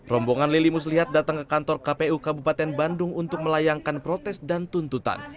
rombongan lili muslihat datang ke kantor kpu kabupaten bandung untuk melayangkan protes dan tuntutan